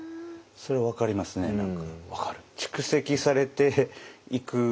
それは分かりますね何か。